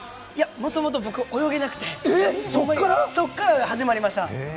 もともと僕泳げなくて、そっから始まりました。